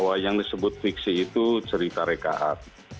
ada yang menyebut fiksi itu cerita rekaan